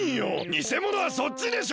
にせものはそっちでしょ！